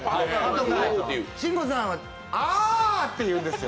慎吾さんは、アって言うんですよ